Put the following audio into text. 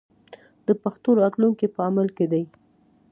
د پښتو راتلونکی په عمل کې دی.